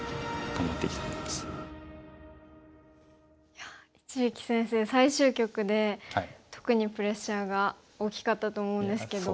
いや一力先生最終局で特にプレッシャーが大きかったと思うんですけど。